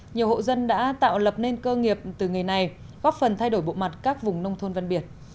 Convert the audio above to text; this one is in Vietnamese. nhiều hộ dân đã tạo lập nên cơ nghiệp từ nghề này góp phần thay đổi bộ mặt các vùng nông thôn văn biệt